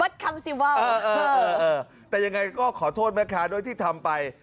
บัดคำสิว่าเออแต่ยังไงก็ขอโทษไหมค่ะโดยที่ทำไป